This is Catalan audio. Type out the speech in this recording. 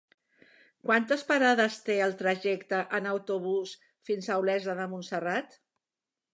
Quantes parades té el trajecte en autobús fins a Olesa de Montserrat?